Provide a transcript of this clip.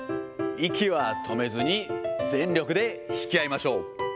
息は止めずに、全力で引き合いましょう。